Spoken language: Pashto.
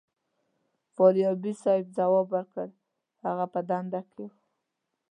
فاریابي صیب ځواب ورکړ هغه په دنده کې و.